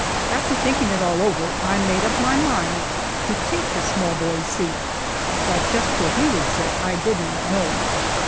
After thinking it all over I made up my mind to take the small boy's seat, but just where he would sit I did not know.